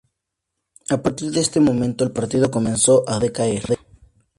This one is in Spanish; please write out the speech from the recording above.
A partir de este momento, el partido comenzó a decaer.